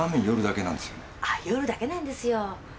夜だけなんですよ。